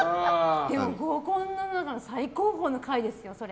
でも合コンの中でも最高峰の会ですよ。